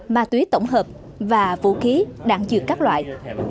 ma túy tổng hợp và vũ khí đạn dược các loại